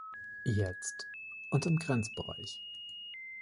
Jetzt und im Grenzbereich.